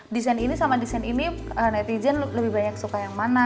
desain ini sama desain ini netizen lebih banyak suka yang mana